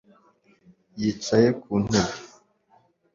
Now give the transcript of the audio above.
Yicaye ku ntebe